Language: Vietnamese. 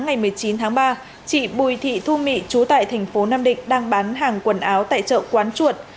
ngày một mươi chín tháng ba chị bùi thị thu mỹ trú tại thành phố nam định đang bán hàng quần áo tại chợ quán chuột